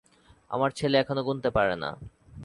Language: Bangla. আমার ছেলে এখনো গুনতে পারে না।